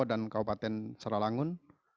dan kabupaten saralangun